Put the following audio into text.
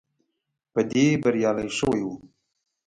په دې بریالی شوی وو.